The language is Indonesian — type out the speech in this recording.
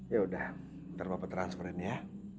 ya udah ntar papa transferin ya